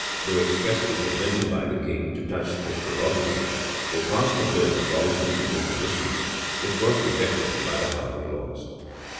[*] Though expressly forbidden by the king to touch his prerogative, they passed a bill abolishing these impositions; which was rejected by the house of lords.